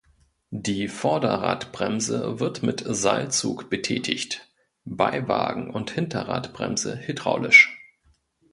Die Vorderradbremse wird mit Seilzug betätigt, Beiwagen- und Hinterradbremse hydraulisch.